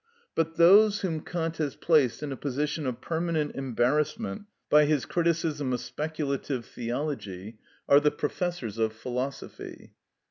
But those whom Kant has placed in a position of permanent embarrassment by his criticism of speculative theology are the professors of philosophy.